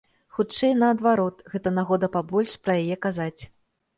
Хутчэй, наадварот, гэта нагода пабольш пра яе казаць.